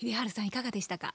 いかがでしたか？